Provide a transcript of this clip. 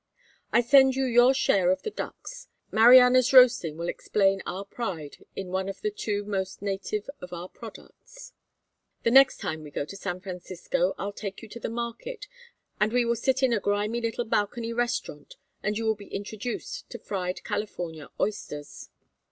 I send you your share of the ducks. Mariana's roasting will explain our pride in one of the two most native of our products the next time we go to San Francisco I'll take you to the market and we will sit in a grimy little balcony restaurant and you will be introduced to fried California oysters.